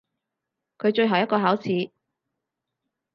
佢最後一個考試！